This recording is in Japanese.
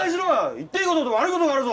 言っていい事と悪い事があるぞ！